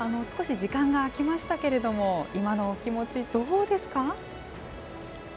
少し時間が空きましたけれども、今のお気持ち、どうですか？